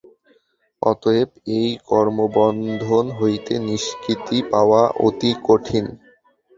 অতএব এই কর্মবন্ধন হইতে নিষ্কৃতি পাওয়া অতি কঠিন।